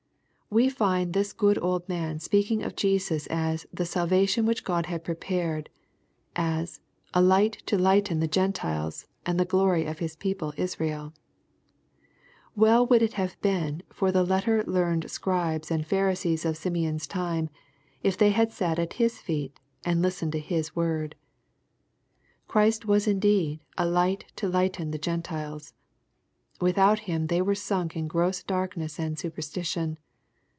We find this good old man speaking of Jesus as ^^ the salvation which God had prepared,'' — as " a light to lighten the Gentiles, and the glory of his people Israel/' Well would it have been for the letter learned Scribes and Pharisees of Simeon's time, if they had sat at his feet, and listened to his word. Christ was indeed " a light to lighten the Gentiles/' Without Him they were sunk in gross darkness and superstition.